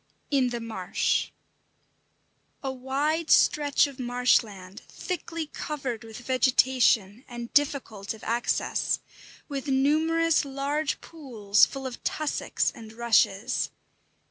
X: IN THE MARSH A wide stretch of marshland, thickly covered with vegetation, and difficult of access, with numerous large pools, full of tussocks and rushes.